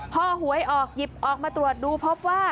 พอหวยออกหยิบออกมาตรวจดูพบว่า